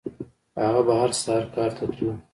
هغه به هر سهار کار ته تلو.